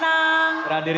tidak ada diri